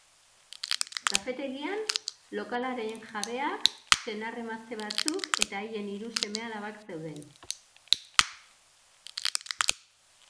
Kafetegian, lokalaren jabeak, senar-emazte batzuk, eta haien hiru seme-alabak zeuden.